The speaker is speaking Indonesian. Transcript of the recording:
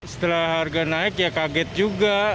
setelah harga naik ya kaget juga